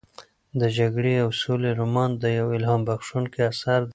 د جګړې او سولې رومان یو الهام بښونکی اثر دی.